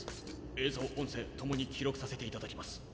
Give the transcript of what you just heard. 映像音声ともに記録させていただきます。